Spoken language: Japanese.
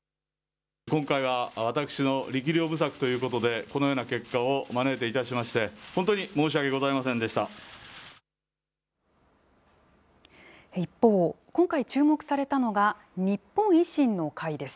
今回は私の力量不足ということで、このような結果を招いてしまいまして、本当に申し訳ござい一方、今回、注目されたのが日本維新の会です。